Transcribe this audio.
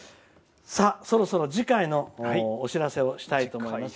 そろそろ次回のお知らせをしたいと思います。